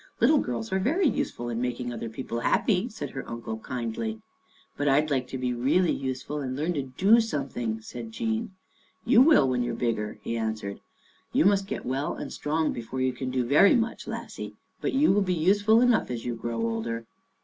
" Little girls are very useful in making other people happy," said her uncle kindly. " But I'd like to be really useful and learn to do something," said Jean. " You will when you are bigger," he an swered. " You must get well and strong before you can do very much, lassie. But you will be useful enough as you grow older."